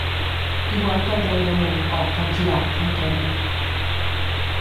Igual que el del damunt o, capgirat, entorn.